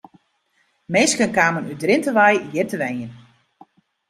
Minsken kamen út Drinte wei hjir te wenjen.